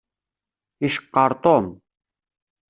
Iceqqeṛ Tom.